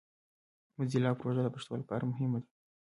موزیلا پروژه د پښتو لپاره مهمه ده.